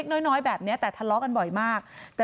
ไม่มีใครคาดคิดไงคะว่าเหตุการณ์มันจะบานปลายรุนแรงแบบนี้